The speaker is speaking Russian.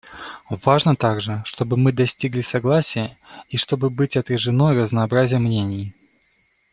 Важно также, чтобы мы достигли согласия и чтобы быть отражено разнообразие мнений.